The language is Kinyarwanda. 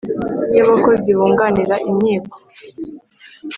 Y abakozi bunganira inkiko